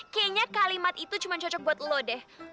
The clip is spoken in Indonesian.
kayaknya kalimat itu cuma cocok buat lo deh